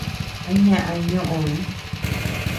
¿A ñaʼa ñoom?